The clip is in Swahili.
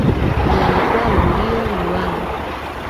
Liandikwalo ndiyo liwalo